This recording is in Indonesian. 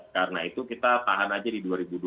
karena itu kita tahan aja di dua ribu dua puluh empat